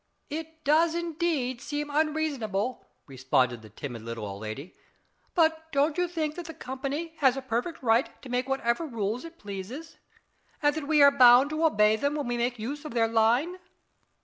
"It does indeed seem unreasonable," responded the timid little old lady; "but don't you think that the company has a perfect right to make whatever rules it pleases, and that we are bound to obey them when we make use of their line?"